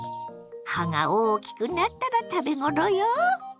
葉が大きくなったら食べ頃よ。